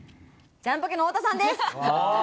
ジャンポケの太田さんです。